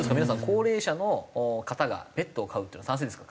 高齢者の方がペットを飼うっていうのは賛成ですか？